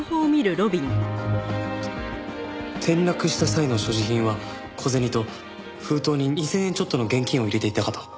えっと転落した際の所持品は小銭と封筒に２０００円ちょっとの現金を入れていたかと。